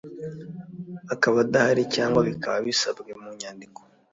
akaba adahari cyangwa bikaba bisabwe mu nyandiko